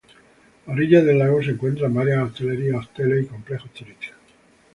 A orillas del lago, se encuentran varios hosterías, hoteles y complejos turísticos.